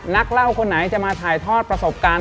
นักเล่าคนไหนจะมาถ่ายทอดประสบการณ์